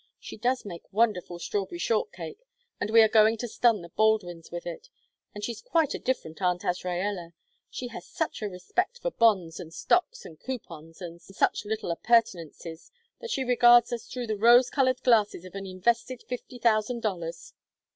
"She does make wonderful strawberry short cake, and we are going to stun the Baldwins with it. And she's quite a different Aunt Azraella. She has such a respect for bonds and stocks and coupons, and such little appurtenances, that she regards us through the rose colored glasses of an invested fifty thousand dollars.